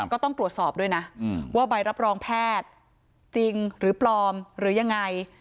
ก็ต้องตรวจสอบด้วยนะว่าใบรับรองแพทย์จริงหรือปลอมหรือยังไง